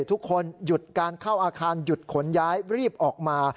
ทุกคนหยุดการเข้าอาคารหยุดขนย้ายรีบออกมา